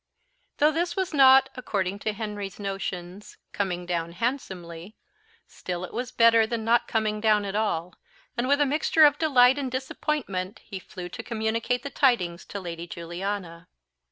Though this was not, according to Henry's notions, "coming down handsomely," still it was better than not coming down at all, and with a mixture of delight and disappointment he flew to communicate the tidings to Lady Juliana.